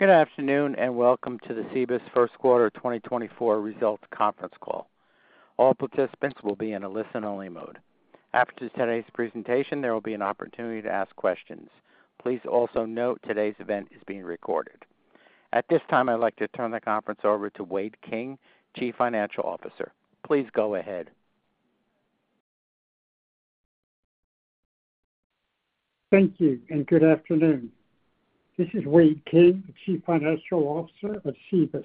Good afternoon and welcome to the Cibus First Quarter 2024 Results Conference Call. All participants will be in a listen-only mode. After today's presentation, there will be an opportunity to ask questions. Please also note today's event is being recorded. At this time, I'd like to turn the conference over to Wade King, Chief Financial Officer. Please go ahead. Thank you and good afternoon. This is Wade King, Chief Financial Officer of Cibus.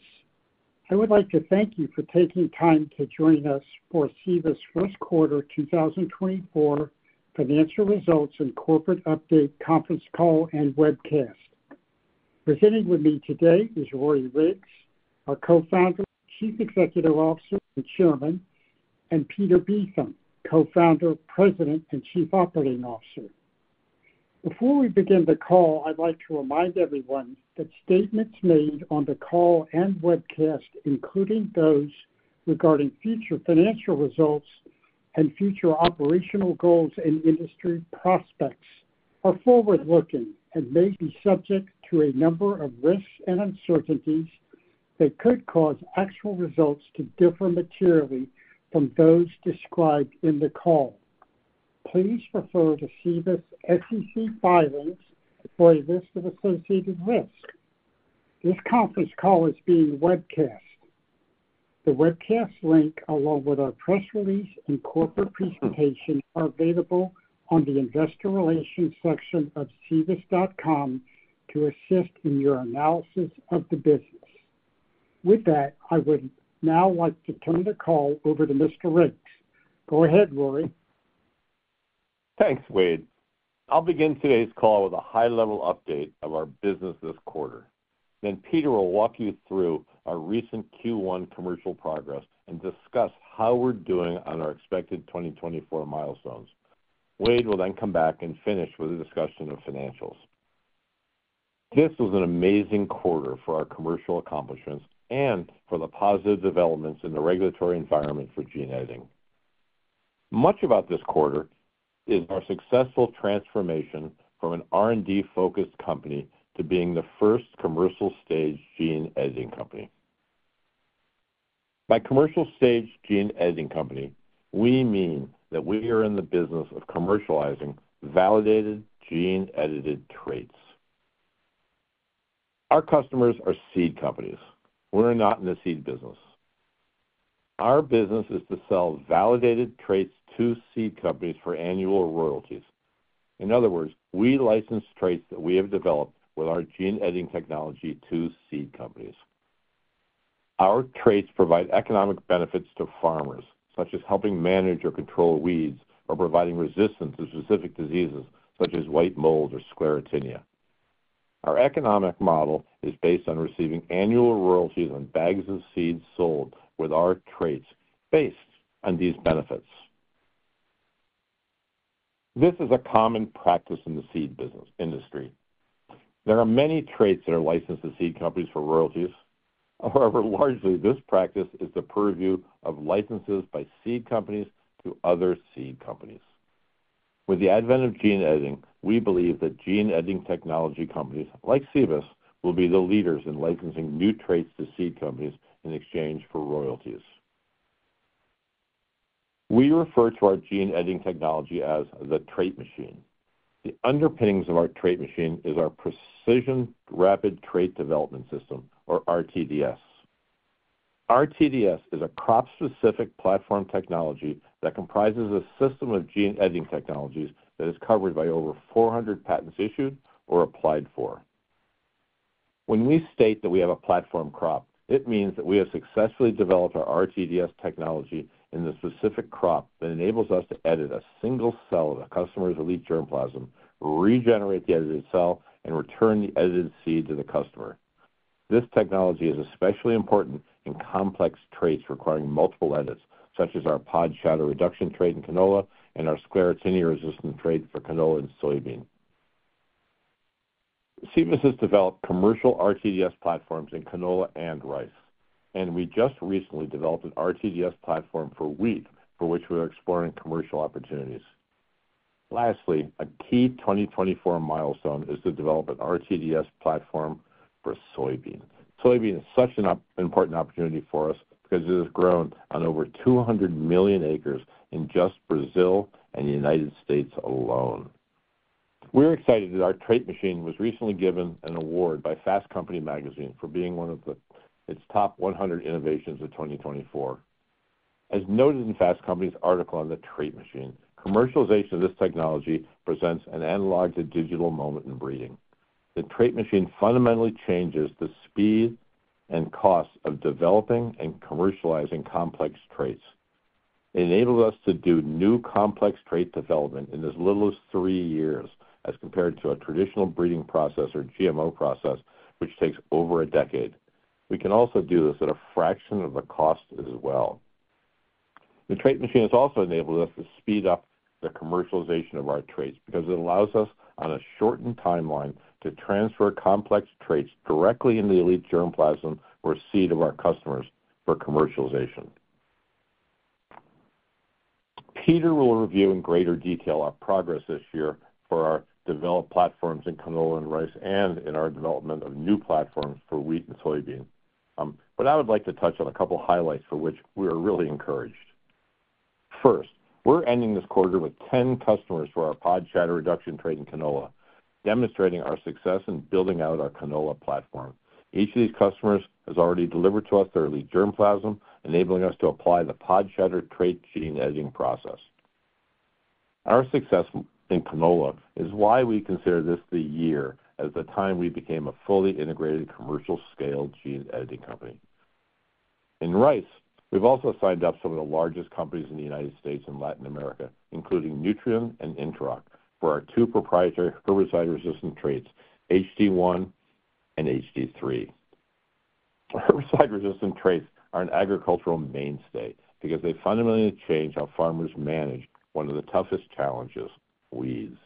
I would like to thank you for taking time to join us for Cibus First Quarter 2024 Financial Results and Corporate Update Conference Call and webcast. Presenting with me today is Rory Riggs, our Co-Founder, Chief Executive Officer and Chairman, and Peter Beetham, Co-Founder, President, and Chief Operating Officer. Before we begin the call, I'd like to remind everyone that statements made on the call and webcast, including those regarding future financial results and future operational goals and industry prospects, are forward-looking and may be subject to a number of risks and uncertainties that could cause actual results to differ materially from those described in the call. Please refer to Cibus SEC filings for a list of associated risks. This conference call is being webcast. The webcast link, along with our press release and corporate presentation, are available on the Investor Relations section of Cibus.com to assist in your analysis of the business. With that, I would now like to turn the call over to Mr. Riggs. Go ahead, Rory. Thanks, Wade. I'll begin today's call with a high-level update of our business this quarter. Then Peter will walk you through our recent Q1 commercial progress and discuss how we're doing on our expected 2024 milestones. Wade will then come back and finish with a discussion of financials. This was an amazing quarter for our commercial accomplishments and for the positive developments in the regulatory environment for gene editing. Much about this quarter is our successful transformation from an R&D-focused company to being the first commercial-stage gene editing company. By commercial-stage gene editing company, we mean that we are in the business of commercializing validated gene-edited traits. Our customers are seed companies. We're not in the seed business. Our business is to sell validated traits to seed companies for annual royalties. In other words, we license traits that we have developed with our gene editing technology to seed companies. Our traits provide economic benefits to farmers, such as helping manage or control weeds or providing resistance to specific diseases such as white mold or Sclerotinia. Our economic model is based on receiving annual royalties on bags of seeds sold with our traits based on these benefits. This is a common practice in the seed industry. There are many traits that are licensed to seed companies for royalties. However, largely, this practice is the purview of licenses by seed companies to other seed companies. With the advent of gene editing, we believe that gene editing technology companies like Cibus will be the leaders in licensing new traits to seed companies in exchange for royalties. We refer to our gene editing technology as the Trait Machine. The underpinnings of our Trait Machine is our Precision Rapid Trait Development System, or RTDS. RTDS is a crop-specific platform technology that comprises a system of gene editing technologies that is covered by over 400 patents issued or applied for. When we state that we have a platform crop, it means that we have successfully developed our RTDS technology in the specific crop that enables us to edit a single cell of a customer's elite germplasm, regenerate the edited cell, and return the edited seed to the customer. This technology is especially important in complex traits requiring multiple edits, such as our pod shatter reduction trait in canola and our Sclerotinia-resistant trait for canola and soybean. Cibus has developed commercial RTDS platforms in canola and rice, and we just recently developed an RTDS platform for wheat, for which we are exploring commercial opportunities. Lastly, a key 2024 milestone is the development of an RTDS platform for soybean. Soybean is such an important opportunity for us because it has grown on over 200 million acres in just Brazil and the United States alone. We're excited that our Trait Machine was recently given an award by Fast Company magazine for being one of its top 100 innovations of 2024. As noted in Fast Company's article on the Trait Machine, commercialization of this technology presents an analog-to-digital moment in breeding. The Trait Machine fundamentally changes the speed and cost of developing and commercializing complex traits. It enables us to do new complex trait development in as little as 3 years as compared to a traditional breeding process or GMO process, which takes over a decade. We can also do this at a fraction of the cost as well. The Trait Machine has also enabled us to speed up the commercialization of our traits because it allows us, on a shortened timeline, to transfer complex traits directly into the elite germplasm or seed of our customers for commercialization. Peter will review in greater detail our progress this year for our developed platforms in canola and rice and in our development of new platforms for wheat and soybean. But I would like to touch on a couple of highlights for which we are really encouraged. First, we're ending this quarter with 10 customers for our pod shatter reduction trait in canola, demonstrating our success in building out our canola platform. Each of these customers has already delivered to us their elite germplasm, enabling us to apply the pod shatter trait gene editing process. Our success in canola is why we consider this year as the time we became a fully integrated commercial-scale gene editing company. In rice, we've also signed up some of the largest companies in the United States and Latin America, including Nutrien and Interoc, for our two proprietary herbicide-resistant traits, HT1 and HT3. Herbicide-resistant traits are an agricultural mainstay because they fundamentally change how farmers manage one of the toughest challenges, weeds.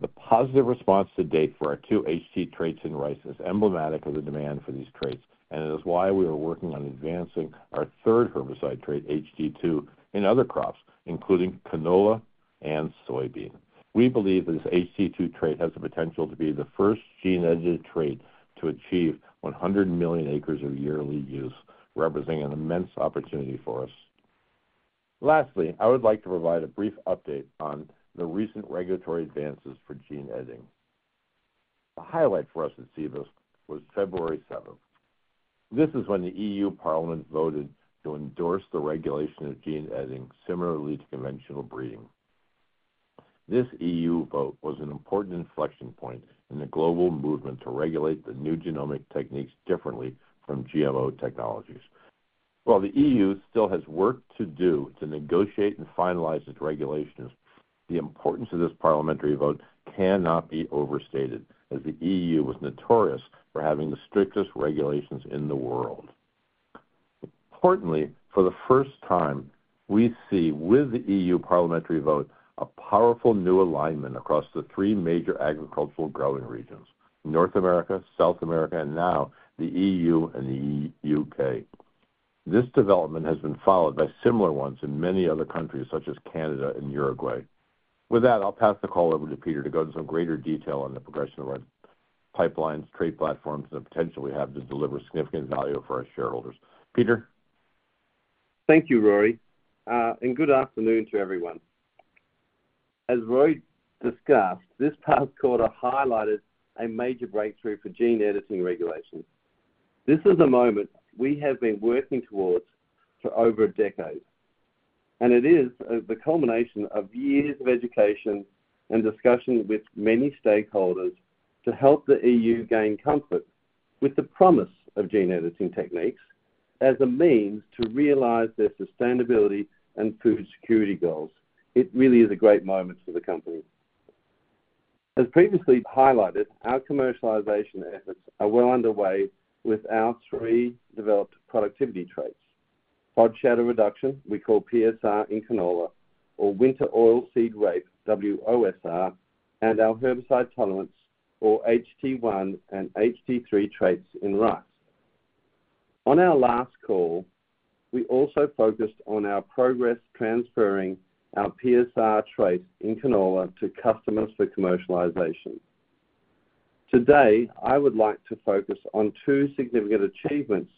The positive response to date for our two HT traits in rice is emblematic of the demand for these traits, and it is why we are working on advancing our third herbicide trait, HT2, in other crops, including canola and soybean. We believe that this HT2 trait has the potential to be the first gene-edited trait to achieve 100 million acres of yearly use, representing an immense opportunity for us. Lastly, I would like to provide a brief update on the recent regulatory advances for gene editing. A highlight for us at Cibus was February 7th. This is when the EU Parliament voted to endorse the regulation of gene editing similarly to conventional breeding. This EU vote was an important inflection point in the global movement to regulate the new genomic techniques differently from GMO technologies. While the EU still has work to do to negotiate and finalize its regulations, the importance of this parliamentary vote cannot be overstated, as the EU was notorious for having the strictest regulations in the world. Importantly, for the first time, we see with the EU Parliamentary vote a powerful new alignment across the three major agricultural growing regions: North America, South America, and now the EU and the UK. This development has been followed by similar ones in many other countries, such as Canada and Uruguay. With that, I'll pass the call over to Peter to go into some greater detail on the progression of our pipelines, trait platforms, and the potential we have to deliver significant value for our shareholders. Peter? Thank you, Rory, and good afternoon to everyone. As Rory discussed, this past quarter highlighted a major breakthrough for gene editing regulation. This is a moment we have been working towards for over a decade, and it is the culmination of years of education and discussion with many stakeholders to help the EU gain comfort with the promise of gene editing techniques as a means to realize their sustainability and food security goals. It really is a great moment for the company. As previously highlighted, our commercialization efforts are well underway with our three developed productivity traits: pod shatter reduction, we call PSR in canola, or wheat regeneration, WOSR, and our herbicide tolerance, or HT1 and HT3 traits in rice. On our last call, we also focused on our progress transferring our PSR trait in canola to customers for commercialization. Today, I would like to focus on two significant achievements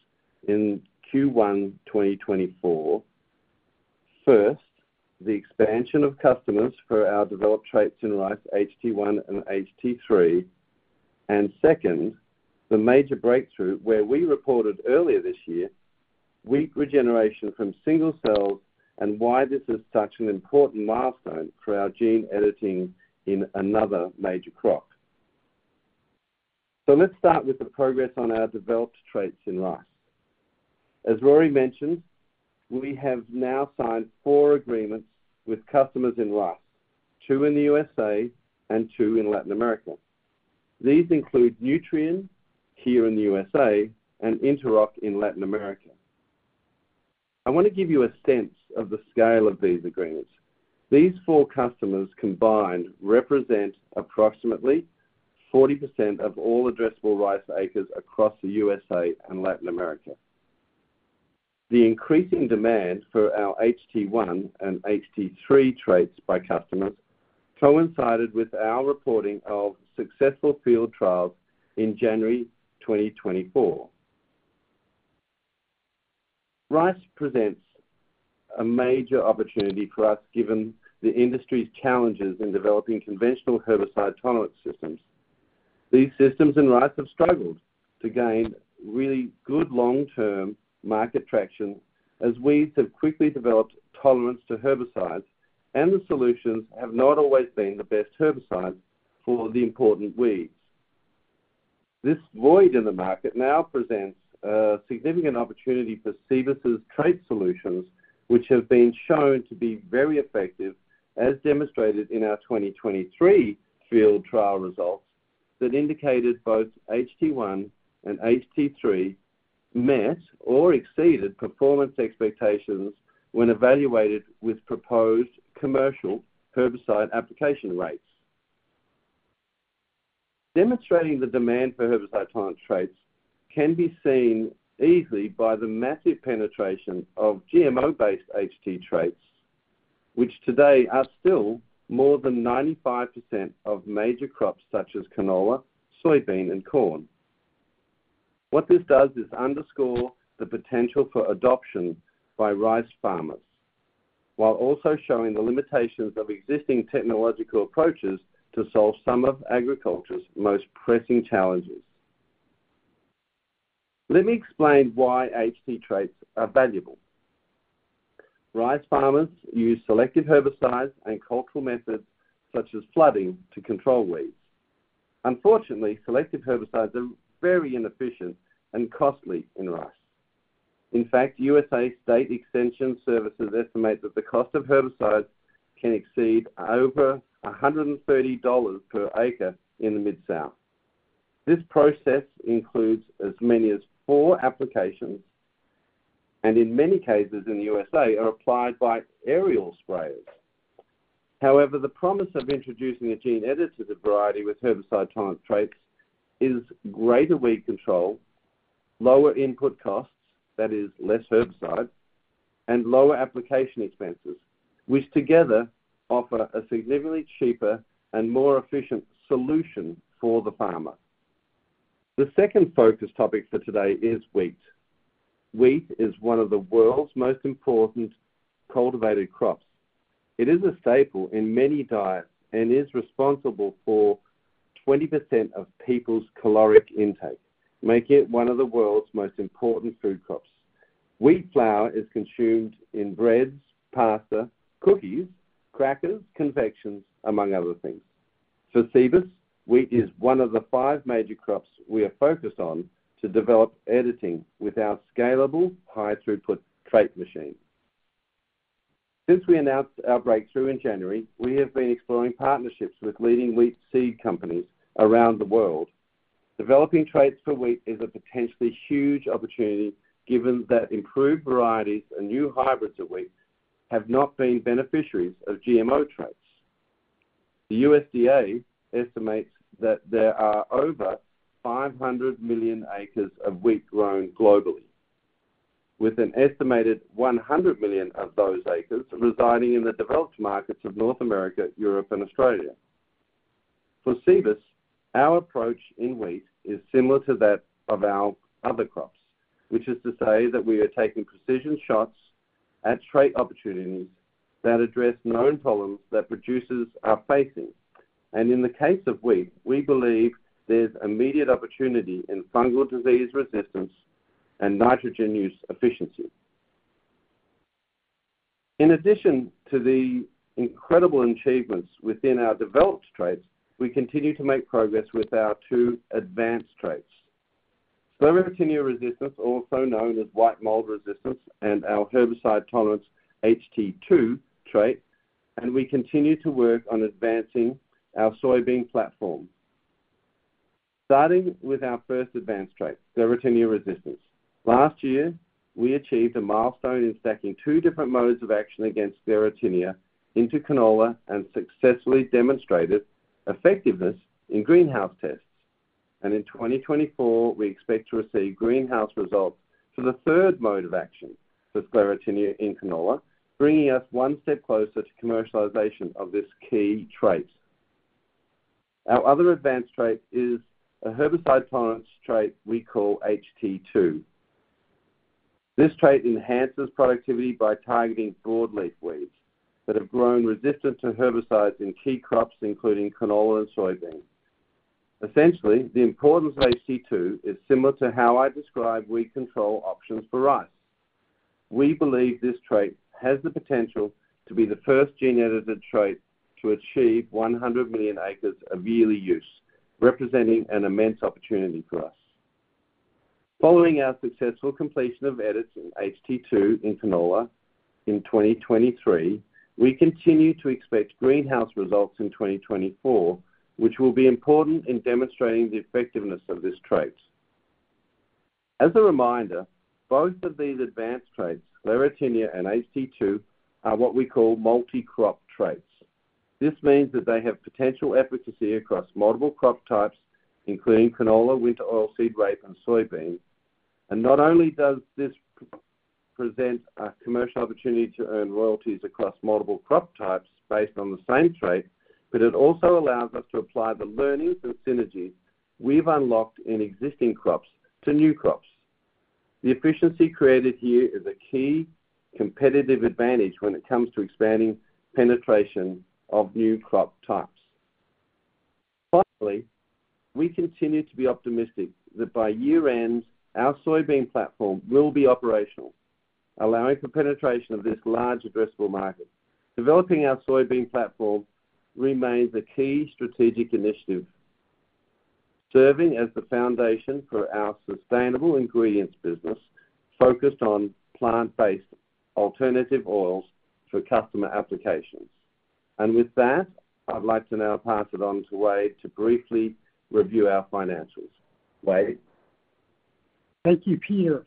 in Q1 2024. First, the expansion of customers for our developed traits in rice, HT1 and HT3. Second, the major breakthrough where we reported earlier this year weak regeneration from single cells and why this is such an important milestone for our gene editing in another major crop. Let's start with the progress on our developed traits in rice. As Rory mentioned, we have now signed four agreements with customers in rice, two in the USA and two in Latin America. These include Nutrien here in the USA and Interoc in Latin America. I want to give you a sense of the scale of these agreements. These four customers combined represent approximately 40% of all addressable rice acres across the USA and Latin America. The increasing demand for our HT1 and HT3 traits by customers coincided with our reporting of successful field trials in January 2024. Rice presents a major opportunity for us given the industry's challenges in developing conventional herbicide tolerance systems. These systems in rice have struggled to gain really good long-term market traction as weeds have quickly developed tolerance to herbicides, and the solutions have not always been the best herbicides for the important weeds. This void in the market now presents a significant opportunity for Cibus's trait solutions, which have been shown to be very effective, as demonstrated in our 2023 field trial results that indicated both HT1 and HT3 met or exceeded performance expectations when evaluated with proposed commercial herbicide application rates. Demonstrating the demand for herbicide tolerance traits can be seen easily by the massive penetration of GMO-based HT traits, which today are still more than 95% of major crops such as canola, soybean, and corn. What this does is underscore the potential for adoption by rice farmers while also showing the limitations of existing technological approaches to solve some of agriculture's most pressing challenges. Let me explain why HT traits are valuable. Rice farmers use selective herbicides and cultural methods such as flooding to control weeds. Unfortunately, selective herbicides are very inefficient and costly in rice. In fact, USA State Extension Services estimate that the cost of herbicides can exceed over $130 per acre in the Mid-South. This process includes as many as four applications, and in many cases in the USA are applied by aerial sprayers. However, the promise of introducing a gene-edited variety with herbicide tolerance traits is greater weed control, lower input costs - that is, less herbicide - and lower application expenses, which together offer a significantly cheaper and more efficient solution for the farmer. The second focus topic for today is wheat. Wheat is one of the world's most important cultivated crops. It is a staple in many diets and is responsible for 20% of people's caloric intake, making it one of the world's most important food crops. Wheat flour is consumed in breads, pasta, cookies, crackers, confections, among other things. For Cibus, wheat is one of the five major crops we are focused on to develop editing with our scalable, high-throughput Trait Machine. Since we announced our breakthrough in January, we have been exploring partnerships with leading wheat seed companies around the world. Developing traits for wheat is a potentially huge opportunity given that improved varieties and new hybrids of wheat have not been beneficiaries of GMO traits. The USDA estimates that there are over 500 million acres of wheat grown globally, with an estimated 100 million of those acres residing in the developed markets of North America, Europe, and Australia. For Cibus, our approach in wheat is similar to that of our other crops, which is to say that we are taking precision shots at trait opportunities that address known problems that producers are facing. In the case of wheat, we believe there's immediate opportunity in fungal disease resistance and nitrogen use efficiency. In addition to the incredible achievements within our developed traits, we continue to make progress with our two advanced traits: Sclerotinia resistance, also known as white mold resistance, and our herbicide tolerance HT2 trait. We continue to work on advancing our soybean platform, starting with our first advanced trait, Sclerotinia resistance. Last year, we achieved a milestone in stacking two different modes of action against Sclerotinia into canola and successfully demonstrated effectiveness in greenhouse tests. In 2024, we expect to receive greenhouse results for the third mode of action for Sclerotinia in canola, bringing us one step closer to commercialization of this key trait. Our other advanced trait is a herbicide tolerance trait we call HT2. This trait enhances productivity by targeting broadleaf weeds that have grown resistant to herbicides in key crops including canola and soybean. Essentially, the importance of HT2 is similar to how I describe weed control options for rice. We believe this trait has the potential to be the first gene-edited trait to achieve 100 million acres of yearly use, representing an immense opportunity for us. Following our successful completion of edits in HT2 in canola in 2023, we continue to expect greenhouse results in 2024, which will be important in demonstrating the effectiveness of this trait. As a reminder, both of these advanced traits, Sclerotinia and HT2, are what we call multi-crop traits. This means that they have potential efficacy across multiple crop types including canola, Winter Oilseed Rape, and soybean. And not only does this present a commercial opportunity to earn royalties across multiple crop types based on the same trait, but it also allows us to apply the learnings and synergies we've unlocked in existing crops to new crops. The efficiency created here is a key competitive advantage when it comes to expanding penetration of new crop types. Finally, we continue to be optimistic that by year-end, our soybean platform will be operational, allowing for penetration of this large addressable market. Developing our soybean platform remains a key strategic initiative, serving as the foundation for our sustainable ingredients business focused on plant-based alternative oils for customer applications. With that, I'd like to now pass it on to Wade to briefly review our financials. Wade? Thank you, Peter.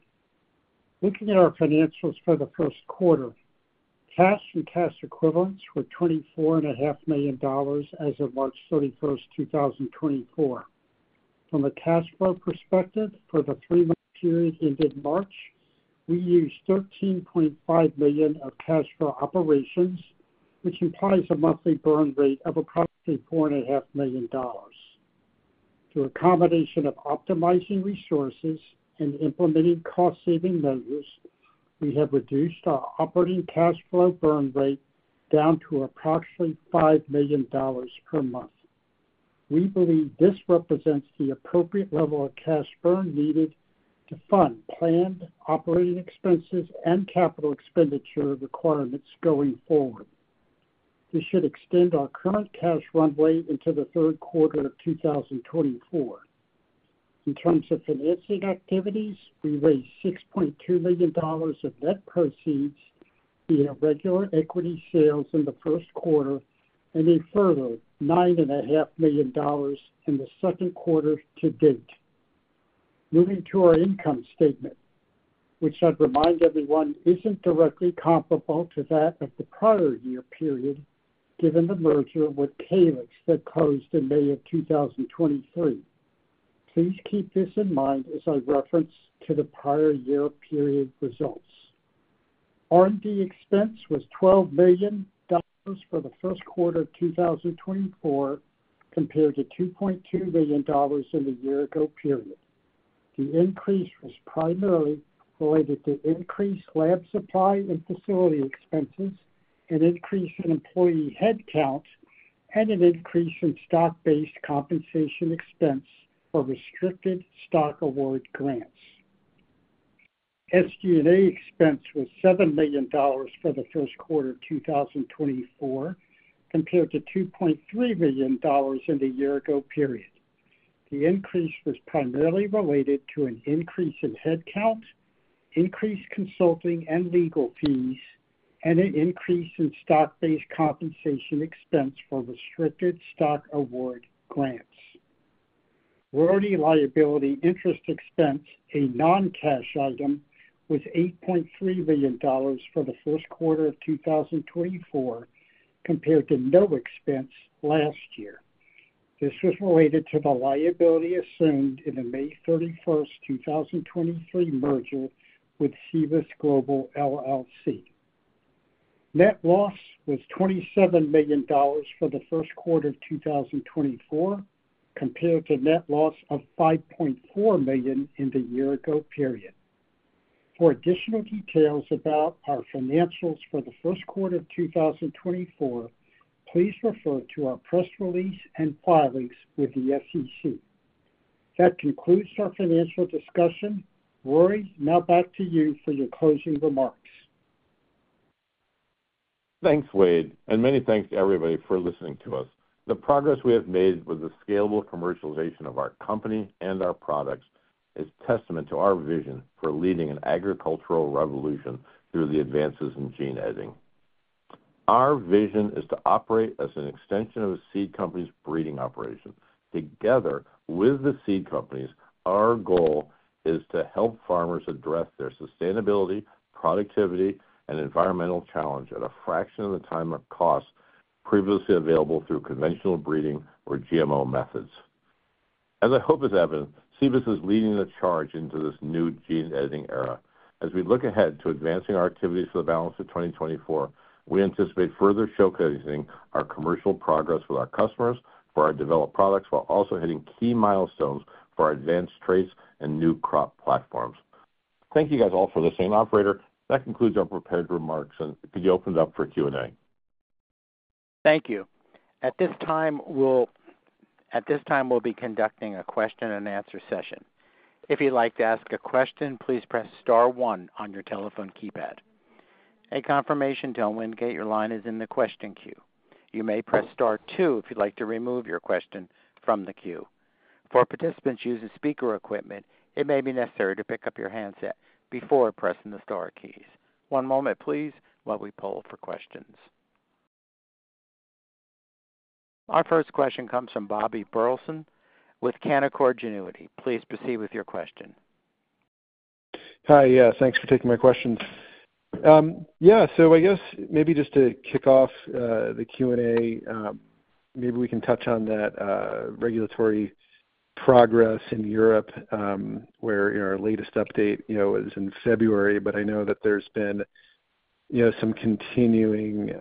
Looking at our financials for the first quarter, cash and cash equivalents were $24.5 million as of March 31st, 2024. From a cash flow perspective, for the three-month period ended March, we used $13.5 million of cash flow operations, which implies a monthly burn rate of approximately $4.5 million. Through a combination of optimizing resources and implementing cost-saving measures, we have reduced our operating cash flow burn rate down to approximately $5 million per month. We believe this represents the appropriate level of cash burn needed to fund planned operating expenses and capital expenditure requirements going forward. This should extend our current cash runway into the third quarter of 2024. In terms of financing activities, we raised $6.2 million of net proceeds via regular equity sales in the first quarter and a further $9.5 million in the second quarter to date. Moving to our income statement, which I'd remind everyone isn't directly comparable to that of the prior year period given the merger with Calyxt that closed in May of 2023. Please keep this in mind as I reference to the prior year period results. R&D expense was $12 million for the first quarter of 2024 compared to $2.2 million in the year-ago period. The increase was primarily related to increased lab supply and facility expenses, an increase in employee headcount, and an increase in stock-based compensation expense for restricted stock award grants. SG&A expense was $7 million for the first quarter of 2024 compared to $2.3 million in the year-ago period. The increase was primarily related to an increase in headcount, increased consulting and legal fees, and an increase in stock-based compensation expense for restricted stock award grants. Warrant liability interest expense, a non-cash item, was $8.3 million for the first quarter of 2024 compared to no expense last year. This was related to the liability assumed in the May 31st, 2023 merger with Cibus Global, LLC. Net loss was $27 million for the first quarter of 2024 compared to net loss of $5.4 million in the year-ago period. For additional details about our financials for the first quarter of 2024, please refer to our press release and filings with the SEC. That concludes our financial discussion. Rory, now back to you for your closing remarks. Thanks, Wade, and many thanks to everybody for listening to us. The progress we have made with the scalable commercialization of our company and our products is testament to our vision for leading an agricultural revolution through the advances in gene editing. Our vision is to operate as an extension of a seed company's breeding operation. Together with the seed companies, our goal is to help farmers address their sustainability, productivity, and environmental challenge at a fraction of the time and cost previously available through conventional breeding or GMO methods. As I hope is evident, Cibus is leading the charge into this new gene editing era. As we look ahead to advancing our activities for the balance of 2024, we anticipate further showcasing our commercial progress with our customers for our developed products while also hitting key milestones for our advanced traits and new crop platforms. Thank you guys all for listening. Operator, that concludes our prepared remarks, and could you open it up for Q&A? Thank you. At this time, we'll be conducting a question and answer session. If you'd like to ask a question, please press star one on your telephone keypad. A confirmation telling me to get your line is in the question queue. You may press star two if you'd like to remove your question from the queue. For participants using speaker equipment, it may be necessary to pick up your handset before pressing the star keys. One moment, please, while we pull for questions. Our first question comes from Bobby Burleson with Canaccord Genuity. Please proceed with your question. Hi. Yeah. Thanks for taking my question. Yeah. So I guess maybe just to kick off the Q&A, maybe we can touch on that regulatory progress in Europe where our latest update was in February. But I know that there's been some continuing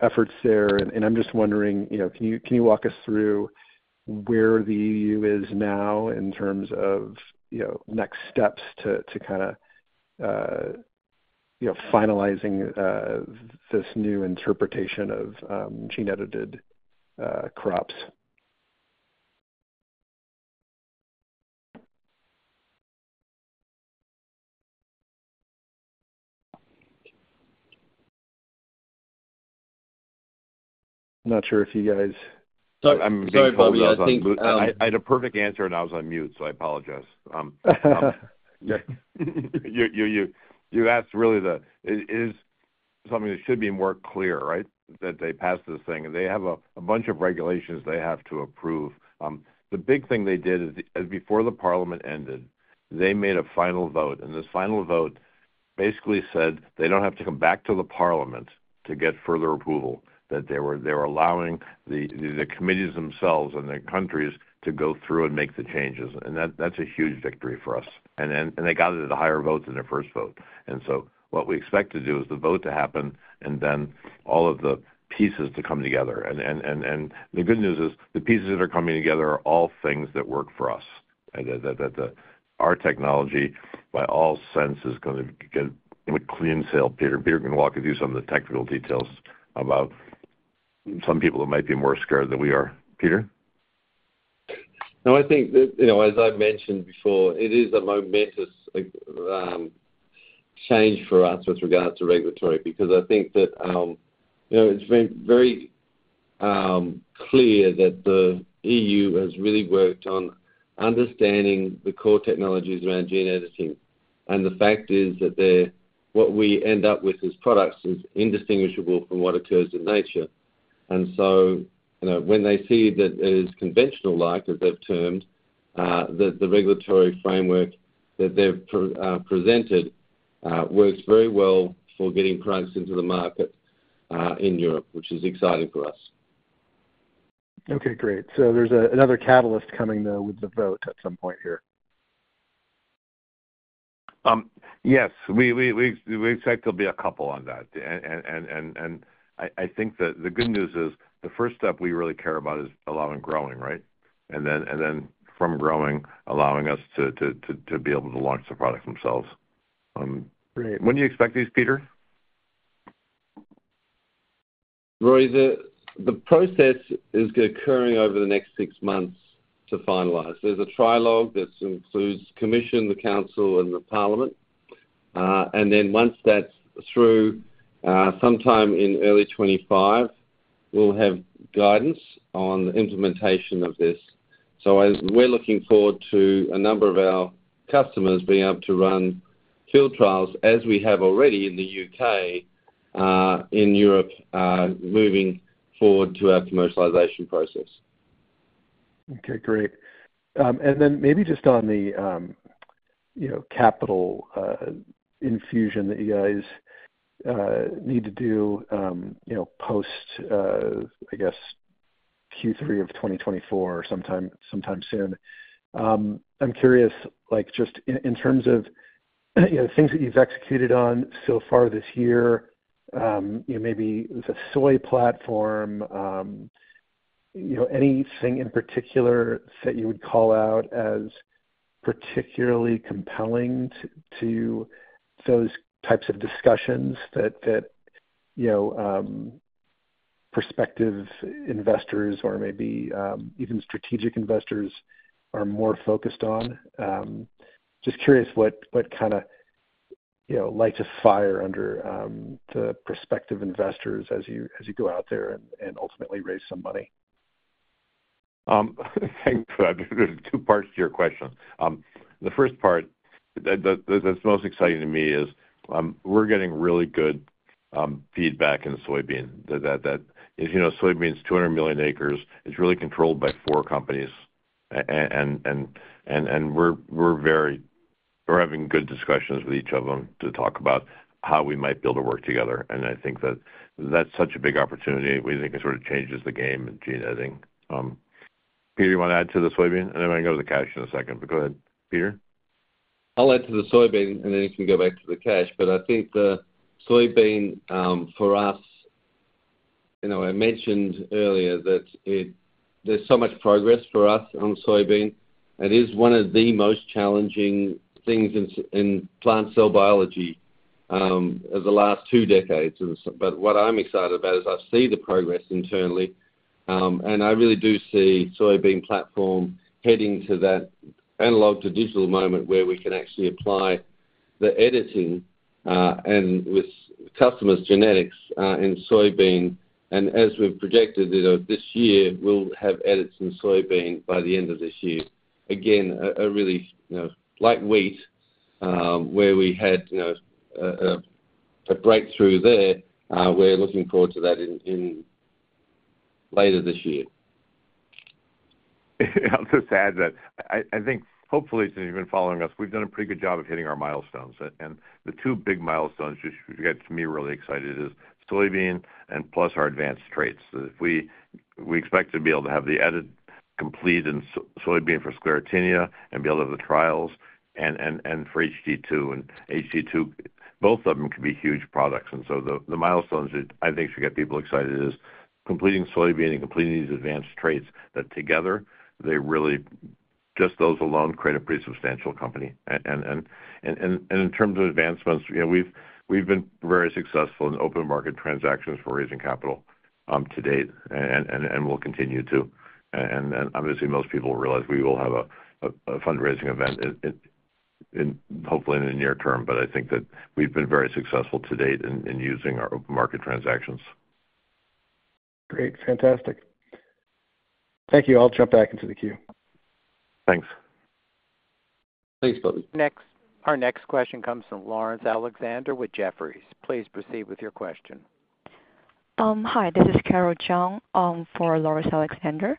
efforts there, and I'm just wondering, can you walk us through where the EU is now in terms of next steps to kind of finalizing this new interpretation of gene-edited crops? I'm not sure if you guys are following up. Sorry, Bobby. I think I had a perfect answer, and I was on mute, so I apologize. You asked, really, it is something that should be more clear, right, that they passed this thing. They have a bunch of regulations they have to approve. The big thing they did is before the parliament ended, they made a final vote. And this final vote basically said they don't have to come back to the parliament to get further approval, that they were allowing the committees themselves and the countries to go through and make the changes. And that's a huge victory for us. And they got it at a higher vote than their first vote. And so what we expect to do is the vote to happen and then all of the pieces to come together. The good news is the pieces that are coming together are all things that work for us, that our technology, by all senses, is going to get a clean sail. Peter Beetham can walk you through some of the technical details about some people that might be more scared than we are. Peter? No, I think that, as I mentioned before, it is a momentous change for us with regards to regulatory because I think that it's been very clear that the EU has really worked on understanding the core technologies around gene editing. And the fact is that what we end up with as products is indistinguishable from what occurs in nature. And so when they see that it is conventional-like, as they've termed, that the regulatory framework that they've presented works very well for getting products into the market in Europe, which is exciting for us. Okay. Great. So there's another catalyst coming, though, with the vote at some point here. Yes. We expect there'll be a couple on that. And I think the good news is the first step we really care about is allowing growing, right? And then from growing, allowing us to be able to launch the products themselves. When do you expect these, Peter? Rory, the process is occurring over the next six months to finalize. There's a trilogue that includes Commission, the Council, and the Parliament. And then once that's through, sometime in early 2025, we'll have guidance on the implementation of this. So we're looking forward to a number of our customers being able to run field trials as we have already in the U.K., in Europe moving forward to our commercialization process. Okay. Great. And then maybe just on the capital infusion that you guys need to do post, I guess, Q3 of 2024 or sometime soon, I'm curious just in terms of the things that you've executed on so far this year, maybe the soy platform, anything in particular that you would call out as particularly compelling to those types of discussions that prospective investors or maybe even strategic investors are more focused on? Just curious what kind of lights of fire under the prospective investors as you go out there and ultimately raise some money. Thanks for that. There's two parts to your question. The first part that's most exciting to me is we're getting really good feedback in soybean. Soybean's 200 million acres. It's really controlled by four companies. And we're having good discussions with each of them to talk about how we might be able to work together. And I think that that's such a big opportunity we think sort of changes the game in gene editing. Peter, you want to add to the soybean? And then I'm going to go to the cash in a second, but go ahead, Peter. I'll add to the soybean, and then you can go back to the cash. But I think the soybean, for us I mentioned earlier that there's so much progress for us on soybean. It is one of the most challenging things in plant cell biology over the last two decades. But what I'm excited about is I see the progress internally, and I really do see the soybean platform heading to that analog-to-digital moment where we can actually apply the editing and with customers' genetics in soybean. And as we've projected this year, we'll have edits in soybean by the end of this year. Again, like wheat where we had a breakthrough there, we're looking forward to that later this year. I'm just adding that I think hopefully, since you've been following us, we've done a pretty good job of hitting our milestones. And the two big milestones which get me really excited is soybean and plus our advanced traits. We expect to be able to have the edit complete in soybean for Sclerotinia and be able to have the trials and for HT2. And HT2, both of them could be huge products. And so the milestones I think should get people excited is completing soybean and completing these advanced traits that together, just those alone, create a pretty substantial company. And in terms of advancements, we've been very successful in open market transactions for raising capital to date, and we'll continue to. And obviously, most people will realize we will have a fundraising event hopefully in the near term. I think that we've been very successful to date in using our open market transactions. Great. Fantastic. Thank you. I'll jump back into the queue. Thanks. Thanks, Bobby. Our next question comes from Lawrence Alexander with Jefferies. Please proceed with your question. Hi. This is Carol Chung for Lawrence Alexander.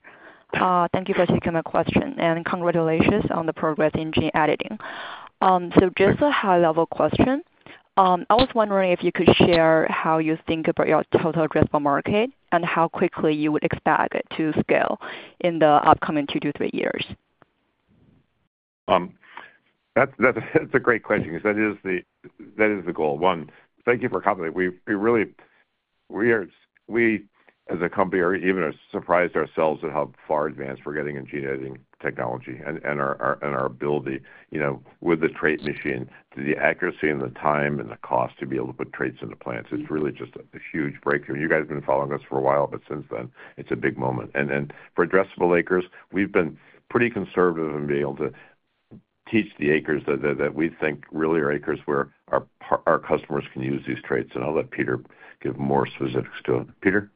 Thank you for taking my question, and congratulations on the progress in gene editing. So just a high-level question, I was wondering if you could share how you think about your total addressable market and how quickly you would expect it to scale in the upcoming 2 years-3 years. That's a great question because that is the goal. Oh, thank you for calling that. We, as a company, are even surprised ourselves at how far advanced we're getting in gene editing technology and our ability with the Trait Machine to the accuracy and the time and the cost to be able to put traits into plants. It's really just a huge breakthrough. And you guys have been following us for a while, but since then, it's a big moment. And for addressable acres, we've been pretty conservative in being able to reach the acres that we think really are acres where our customers can use these traits. And I'll let Peter give more specifics to it. Peter?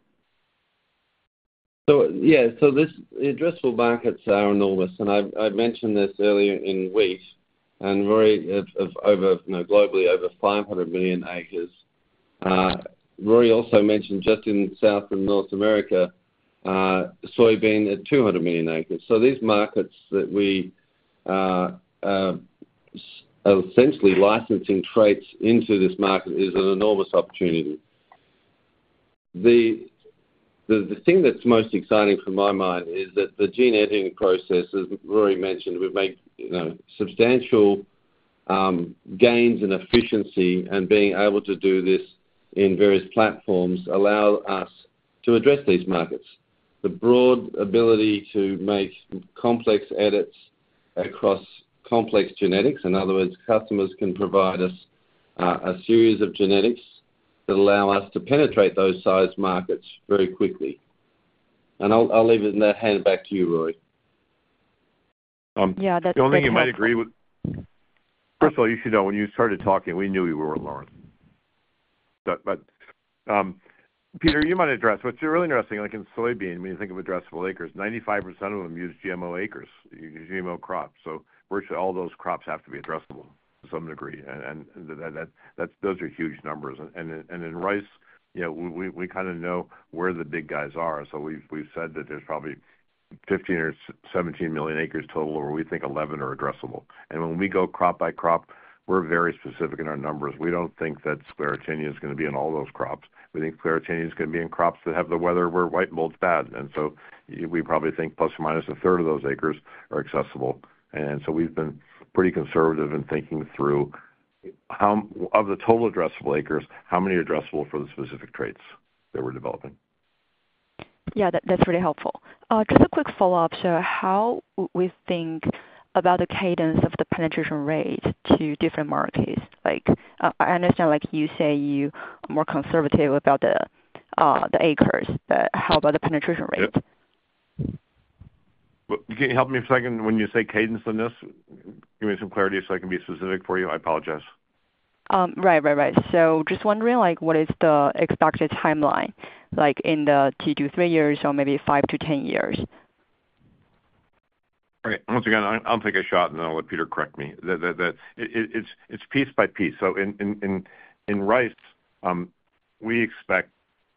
Yeah. The addressable markets are enormous. I mentioned this earlier in wheat and globally, over 500 million acres. Rory also mentioned just in South and North America, soybean at 200 million acres. So these markets that we are essentially licensing traits into, this market is an enormous opportunity. The thing that's most exciting to my mind is that the gene editing process, as Rory mentioned, would make substantial gains in efficiency. Being able to do this in various platforms allows us to address these markets. The broad ability to make complex edits across complex genetics, in other words, customers can provide us a series of genetics that allow us to penetrate those sized markets very quickly. I'll leave it at that and hand it back to you, Rory. Yeah. That's great. I don't think you might agree with first of all, you should know when you started talking, we knew you were with Lawrence. But Peter, you might address what's really interesting in soybean, when you think of addressable acres, 95% of them use GMO acres, GMO crops. So virtually all those crops have to be addressable to some degree. And those are huge numbers. And in rice, we kind of know where the big guys are. So we've said that there's probably 15 or 17 million acres total where we think 11 are addressable. And when we go crop by crop, we're very specific in our numbers. We don't think that Sclerotinia is going to be in all those crops. We think Sclerotinia is going to be in crops that have the weather where white mold's bad. We probably think ± a third of those acres are accessible. We've been pretty conservative in thinking through, of the total addressable acres, how many are addressable for the specific traits that we're developing? Yeah. That's really helpful. Just a quick follow-up. So how do we think about the cadence of the penetration rate to different markets? I understand you say you're more conservative about the acres, but how about the penetration rate? Can you help me a second? When you say cadence on this, give me some clarity so I can be specific for you. I apologize. Right. Right. Right. So just wondering, what is the expected timeline in the 2 years-3 years or maybe 5 years-10 years? All right. Once again, I'll take a shot, and then I'll let Peter correct me. It's piece by piece. So in rice, we expect,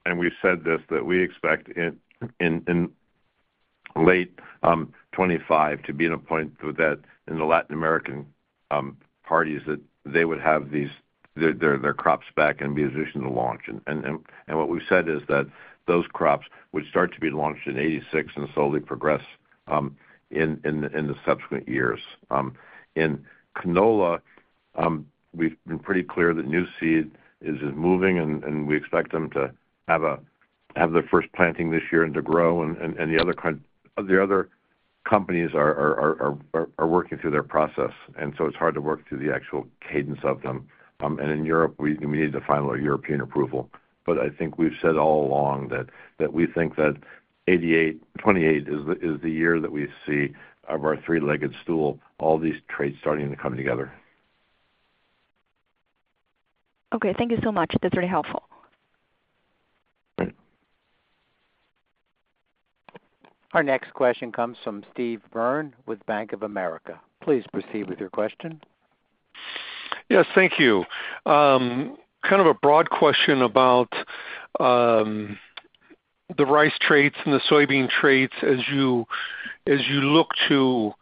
and we've said this, that we expect in late 2025 to be at a point that in the Latin American partners, that they would have their crops back and be in position to launch. And what we've said is that those crops would start to be launched in 2026 and slowly progress in the subsequent years. In canola, we've been pretty clear that new seed is moving, and we expect them to have their first planting this year and to grow. And the other companies are working through their process. And so it's hard to work through the actual cadence of them. And in Europe, we need to finalize European approval. But I think we've said all along that we think that 2028 is the year that we see of our three-legged stool, all these traits starting to come together. Okay. Thank you so much. That's really helpful. All right. Our next question comes from Steve Byrne with Bank of America. Please proceed with your question. Yes. Thank you. Kind of a broad question about the rice traits and the soybean traits as you look to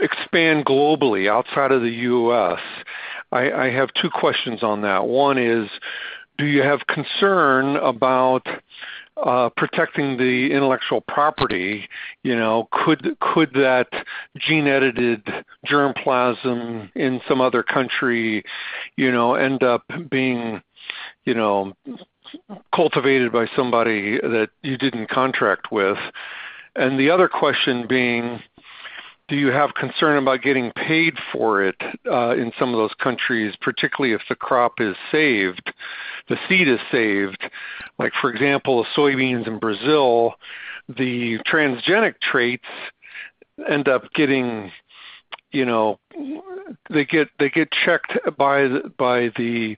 expand globally outside of the U.S. I have two questions on that. One is, do you have concern about protecting the intellectual property? Could that gene-edited germplasm in some other country end up being cultivated by somebody that you didn't contract with? And the other question being, do you have concern about getting paid for it in some of those countries, particularly if the crop is saved, the seed is saved? For example, soybeans in Brazil, the transgenic traits end up getting checked by the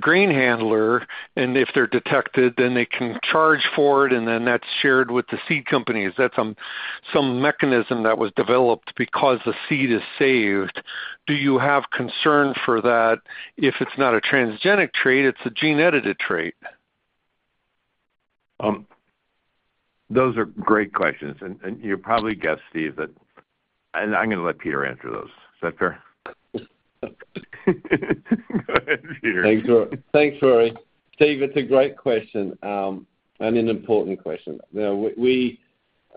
grain handler. And if they're detected, then they can charge for it, and then that's shared with the seed companies. That's some mechanism that was developed because the seed is saved. Do you have concern for that if it's not a transgenic trait, it's a gene-edited trait? Those are great questions. You probably guessed, Steve, that I'm going to let Peter answer those. Is that fair? Go ahead, Peter. Thanks, Rory. Steve, it's a great question and an important question. We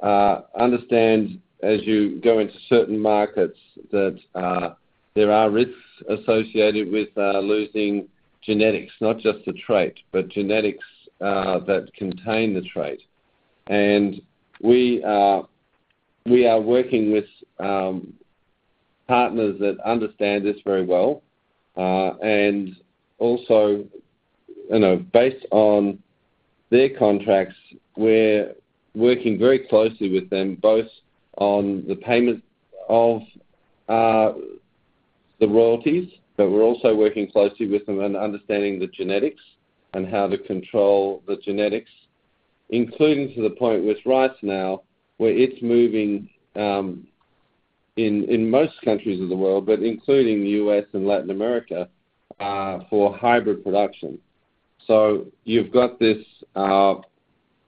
understand, as you go into certain markets, that there are risks associated with losing genetics, not just the trait, but genetics that contain the trait. We are working with partners that understand this very well. Also, based on their contracts, we're working very closely with them both on the payment of the royalties, but we're also working closely with them on understanding the genetics and how to control the genetics, including to the point with rice now where it's moving in most countries of the world, but including the US and Latin America, for hybrid production. So you've got this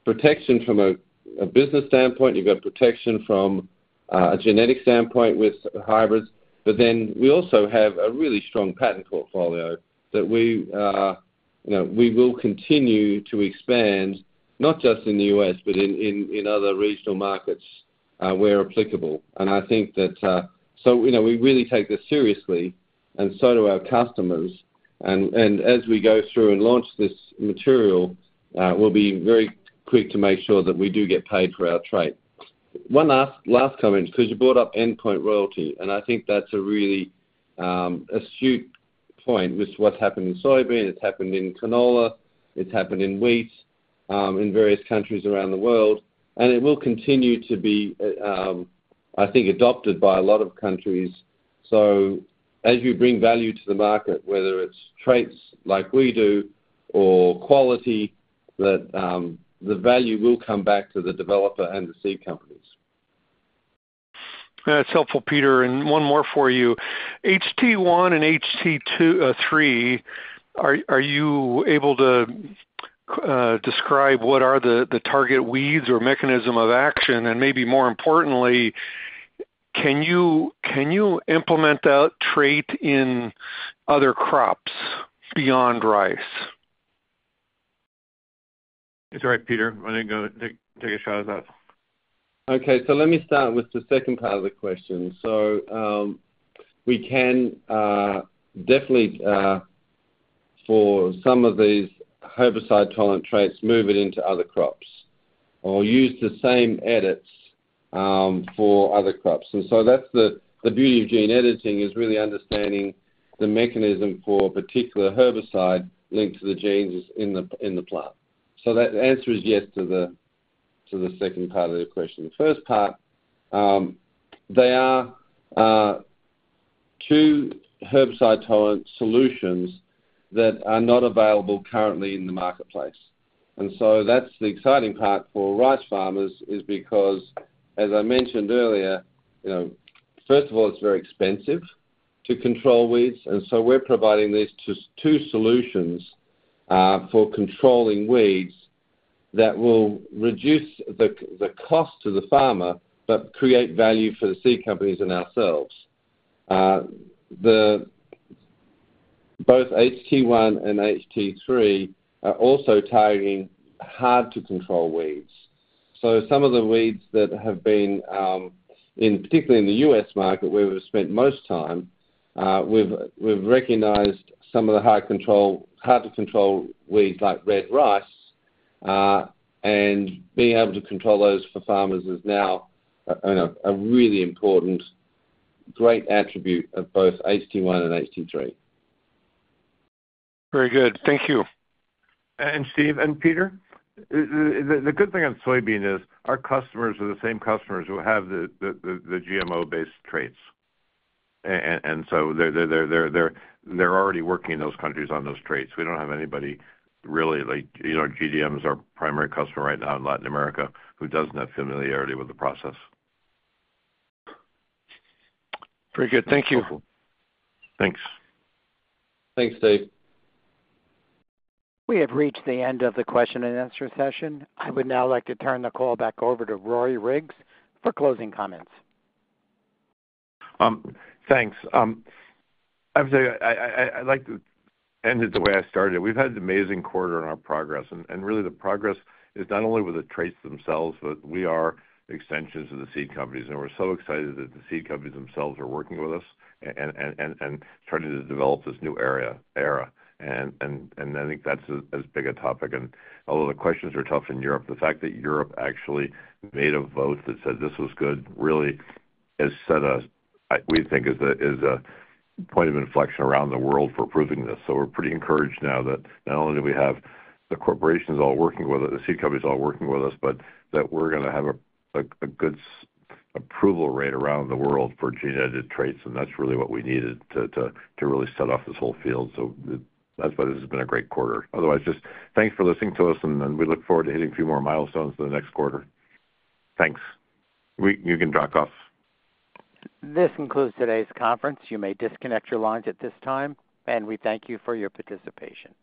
protection from a business standpoint. You've got protection from a genetic standpoint with hybrids. But then we also have a really strong patent portfolio that we will continue to expand, not just in the U.S., but in other regional markets where applicable. And I think that so we really take this seriously, and so do our customers. And as we go through and launch this material, we'll be very quick to make sure that we do get paid for our trait. One last comment because you brought up endpoint royalty. And I think that's a really astute point with what's happened in soybean. It's happened in canola. It's happened in wheat in various countries around the world. And it will continue to be, I think, adopted by a lot of countries. So as you bring value to the market, whether it's traits like we do or quality, the value will come back to the developer and the seed companies. That's helpful, Peter. One more for you. HT1 and HT3, are you able to describe what are the target weeds or mechanism of action? Maybe more importantly, can you implement that trait in other crops beyond rice? Is that right, Peter? I didn't take a shot at that. Okay. So let me start with the second part of the question. So we can definitely, for some of these herbicide-tolerant traits, move it into other crops or use the same edits for other crops. And so that's the beauty of gene editing, is really understanding the mechanism for a particular herbicide linked to the genes in the plant. So the answer is yes to the second part of the question. The first part, they are two herbicide-tolerant solutions that are not available currently in the marketplace. And so that's the exciting part for rice farmers is because, as I mentioned earlier, first of all, it's very expensive to control weeds. And so we're providing these two solutions for controlling weeds that will reduce the cost to the farmer but create value for the seed companies and ourselves. Both HT1 and HT3 are also targeting hard-to-control weeds. Some of the weeds that have been, particularly in the U.S. market, where we've spent most time, we've recognized some of the hard-to-control weeds like red rice. Being able to control those for farmers is now a really important, great attribute of both HT1 and HT3. Very good. Thank you. Steve and Peter, the good thing on soybean is our customers are the same customers who have the GMO-based traits. So they're already working in those countries on those traits. We don't have anybody really. GDM is our primary customer right now in Latin America who doesn't have familiarity with the process. Very good. Thank you. Thanks. Thanks, Steve. We have reached the end of the question-and-answer session. I would now like to turn the call back over to Rory Riggs for closing comments. Thanks. I would say I'd like to end it the way I started. We've had an amazing quarter in our progress. And really, the progress is not only with the traits themselves, but we are extensions of the seed companies. And we're so excited that the seed companies themselves are working with us and starting to develop this new era. And I think that's as big a topic. And although the questions are tough in Europe, the fact that Europe actually made a vote that said this was good really has set us, we think, as a point of inflection around the world for proving this. So we're pretty encouraged now that not only do we have the corporations all working with us, the seed companies all working with us, but that we're going to have a good approval rate around the world for gene-edited traits. That's really what we needed to really set off this whole field. That's why this has been a great quarter. Otherwise, just thanks for listening to us, and we look forward to hitting a few more milestones in the next quarter. Thanks. You can drop off. This concludes today's conference. You may disconnect your lines at this time. We thank you for your participation.